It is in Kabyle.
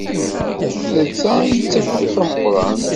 D ta ay d tawwurt tameqrant.